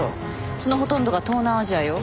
そのほとんどが東南アジアよ。